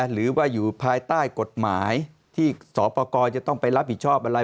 หรือว่าอยู่ภายใต้กฎหมายที่สปกรจะต้องไปรับผิดชอบอะไร